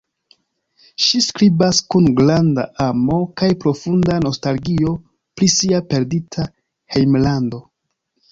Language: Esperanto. Ŝi skribas kun granda amo kaj profunda nostalgio pri sia perdita hejmlando.